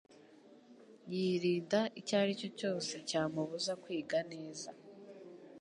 yirinda icyo aricyo cyose cyamubuza kwiga neza.